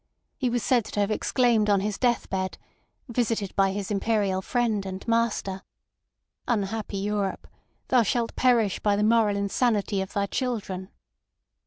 He was said to have exclaimed on his deathbed (visited by his Imperial friend and master): "Unhappy Europe! Thou shalt perish by the moral insanity of thy children!"